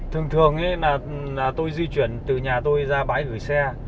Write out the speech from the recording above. thường thường tôi di chuyển từ nhà tôi ra bãi gửi xe